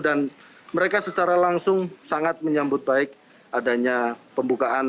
mereka secara langsung sangat menyambut baik adanya pembukaan